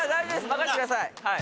任せてください！